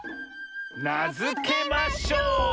なづけましょう！